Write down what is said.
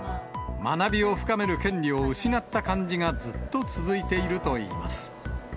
学びを深める権利を失った感じがずっと続いているといいます。